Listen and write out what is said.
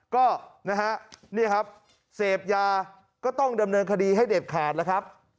ก็เสพยาก็ต้องดำเนินคดีให้เด็ดขาด